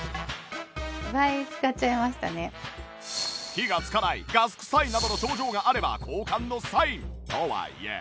火がつかないガス臭いなどの症状があれば交換のサインとはいえ